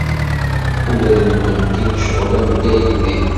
Ula d nekkenti necɣel am Dda Yidir.